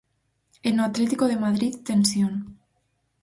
E no Atlético de Madrid tensión.